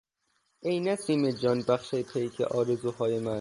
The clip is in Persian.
ای نسیم جانبخش پیک آرزوهای من